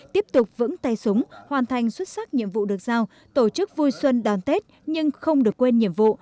tiếp tục vững tay súng hoàn thành xuất sắc nhiệm vụ được giao tổ chức vui xuân đón tết nhưng không được quên nhiệm vụ